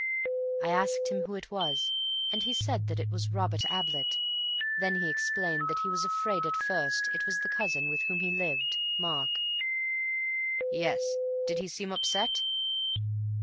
"I asked him who it was, and he said that it was Robert Ablett. Then he explained that he was afraid at first it was the cousin with whom he lived—Mark." "Yes. Did he seem upset?"